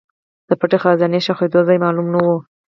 د پټ خزانه ښخېدو ځای معلوم نه و.